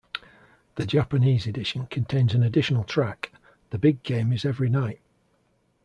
The Japanese edition contains an additional track, "The Big Game Is Every Night".